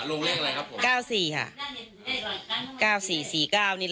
เลขทะเบียนรถจากรยานยนต์